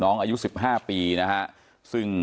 เป็นมีดปลายแหลมยาวประมาณ๑ฟุตนะฮะที่ใช้ก่อเหตุ